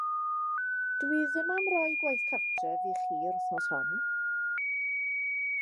Dw i ddim am roi gwaith cartref i chi yr wythnos hon.